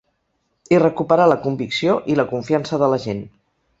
I recuperar la convicció i la confiança de la gent.